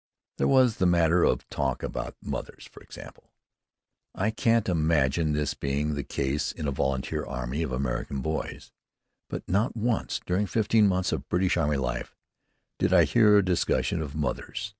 There was the matter of talk about mothers, for example. I can't imagine this being the case in a volunteer army of American boys, but not once, during fifteen months of British army life, did I hear a discussion of mothers.